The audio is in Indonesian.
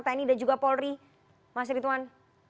tni dan juga polri mas ritwan